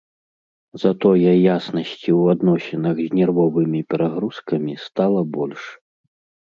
Затое яснасці ў адносінах з нервовымі перагрузкамі стала больш.